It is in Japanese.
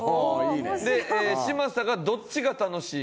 で嶋佐が「どっちが楽しい？